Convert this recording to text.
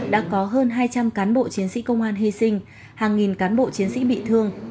đã có hơn hai trăm linh cán bộ chiến sĩ công an hy sinh hàng nghìn cán bộ chiến sĩ bị thương